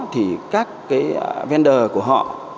thì các cái vendor của họ